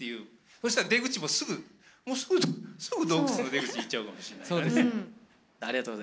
そしたら出口も、すぐすぐ洞窟の出口いっちゃうかもしれないね。